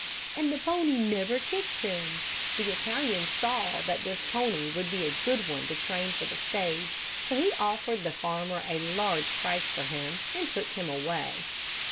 And the pony never kicked him. The Italian saw that this pony would be a good one to train for the stage, so he offered the farmer a large price for him, and took him away.